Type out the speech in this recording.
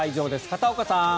片岡さん。